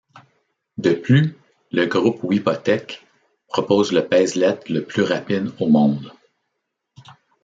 De plus, le groupe Wipotec propose le pèse-lettre le plus rapide au monde.